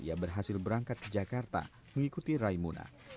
ia berhasil berangkat ke jakarta mengikuti raimuna